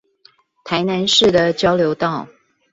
台南市的交流道